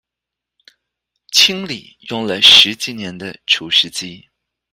清理用了十幾年的除濕機